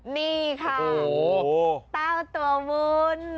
นี่ค่ะเต้าตัววุ้น